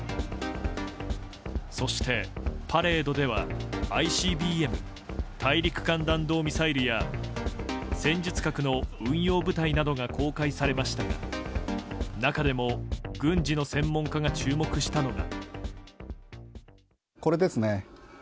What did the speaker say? そしてパレードではＩＣＢＭ・大陸間弾道ミサイルや戦術核の運用部隊などが公開されましたが中でも軍事の専門家が注目したのが。